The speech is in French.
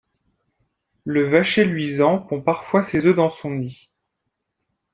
Le vacher luisant pond parfois ses œufs dans son nid.